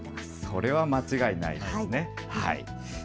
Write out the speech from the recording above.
それは間違いないですね。